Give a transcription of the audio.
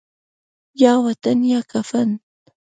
یا وطن یا کفن